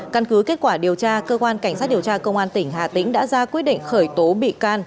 căn cứ kết quả điều tra cơ quan cảnh sát điều tra công an tỉnh hà tĩnh đã ra quyết định khởi tố bị can